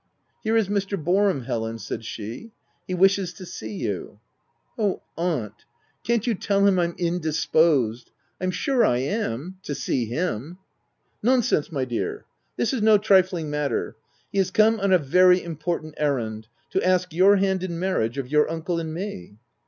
"Here is Mr. Boarham, Helen, " said she. " He wishes to see you." " Oh, aunt ! Can't you tell him I'm in disposed ?— I'm sure I am — to see him." " Nonsense, my dear ! this is no trifling matter. He is come on a very important errand — to ask your hand in marriage, of your uncle and me."